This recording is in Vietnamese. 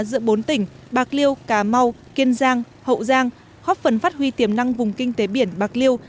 giữa bốn tỉnh bạc liêu cà mau kiên giang hậu giang góp phần phát huy tiềm năng vùng kinh tế biển bạc liêu